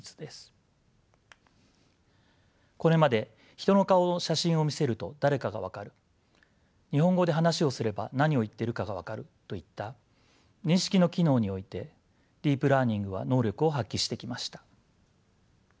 これまで人の顔の写真を見せると誰かが分かる日本語で話をすれば何を言ってるかが分かるといった認識の機能においてディープ・ラーニングは能力を発揮してきました。